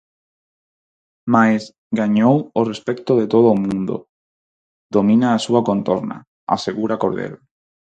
Mais "gañou o respecto de todo o mundo", "domina a súa contorna", asegura Cordero.